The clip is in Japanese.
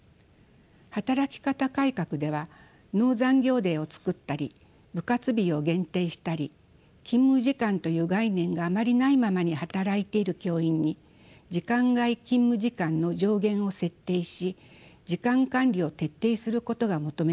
働き方改革ではノー残業デーを作ったり部活日を限定したり勤務時間という概念があまりないままに働いている教員に時間外勤務時間の上限を設定し時間管理を徹底することが求められました。